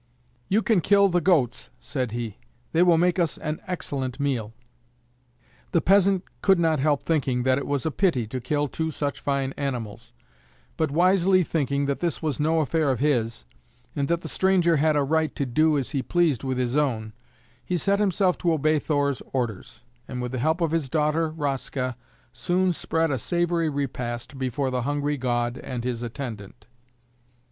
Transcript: "You can kill the goats," said he; "they will make us an excellent meal." The peasant could not help thinking that it was a pity to kill two such fine animals; but wisely thinking that this was no affair of his, and that the stranger had a right to do as he pleased with his own, he set himself to obey Thor's orders, and with the help of his daughter Raska soon spread a savory repast before the hungry god and his attendant.